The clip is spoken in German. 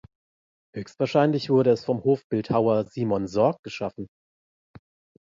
Höchstwahrscheinlich wurde es vom Hofbildhauer Simon Sorg geschaffen.